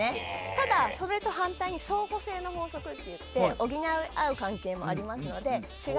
ただ、それと反対に相互性の法則といって補い合う関係もありますので。